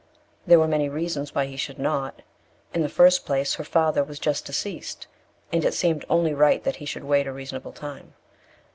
There were many reasons why he should not. In the first place, her father was just deceased, and it seemed only right that he should wait a reasonable time.